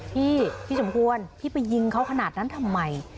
พี่พี่สมควรพี่ไปยิงเขาขนาดนั้นทำไม